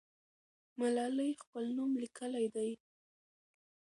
ملالۍ خپل نوم لیکلی دی.